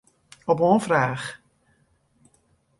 Op oanfraach.